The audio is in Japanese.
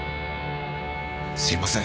すいません。